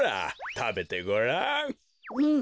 たべてごらん。